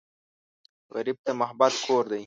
غریب ته محبت کور دی